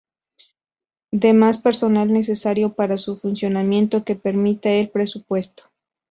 Demás personal necesario para su funcionamiento que permita el presupuesto.